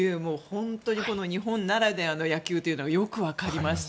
本当に日本ならではの野球がよく分かりました。